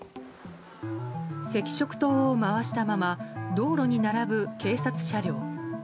赤色灯を回したまま道路に並ぶ警察車両。